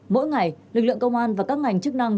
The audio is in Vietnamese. mỗi ngày lực lượng công an và các ngành chức năng